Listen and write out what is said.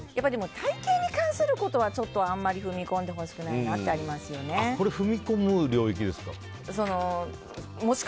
体形に関することはあまり踏み込んでほしくないとこれ踏み込む領域ですか？